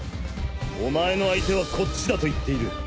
お前の相手はこっちだと言っている。